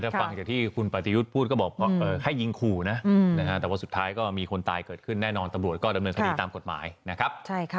ถ้าฟังจากที่คุณปฏิยุทธ์พูดก็บอกให้ยิงขู่นะแต่ว่าสุดท้ายก็มีคนตายเกิดขึ้นแน่นอนตำรวจก็ดำเนินคดีตามกฎหมายนะครับ